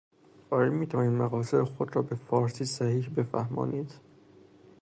آیامیتوانید مقاصد خود را بفارسی صحیح بفهمانید